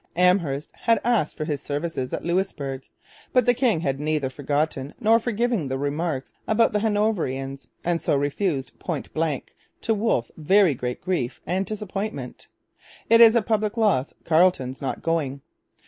Amherst had asked for his services at Louisbourg. But the king had neither forgotten nor forgiven the remarks about the Hanoverians, and so refused point blank, to Wolfe's 'very great grief and disappointment... It is a public loss Carleton's not going.'